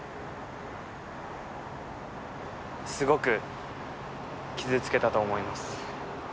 すごく傷つけたと思います